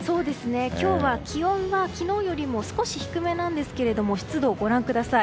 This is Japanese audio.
今日は気温が昨日よりも少し低めなんですけれども湿度をご覧ください。